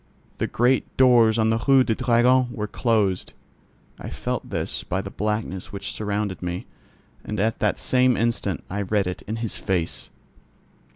The great doors on the Rue du Dragon were closed. I felt this by the blackness which surrounded me, and at the same instant I read it in his face.